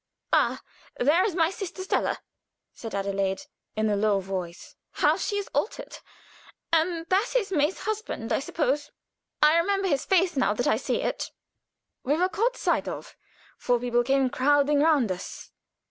"Ah! there is my sister Stella," said Adelaide, in a low voice. "How she is altered! And that is May's husband, I suppose. I remember his face now that I see it." We had been caught sight of. Four people came crowding round us.